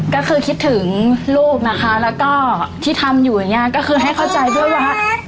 ก็คือคิดถึงลูกนะคะแล้วก็ที่ทำอยู่เนี่ยก็คือให้เขารู้ใช่ไหม